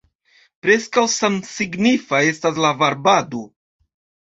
Preskaŭ samsignifa estas varbado.